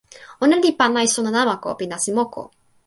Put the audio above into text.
ona li pana e sona namako pi nasin moku.